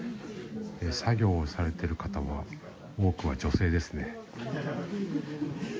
作業をされている方の多くは女性ですね。